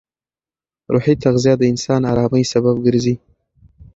روحي تغذیه د انسان ارامۍ سبب ګرځي.